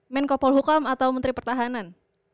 menko polhukam atau menteri pertahanan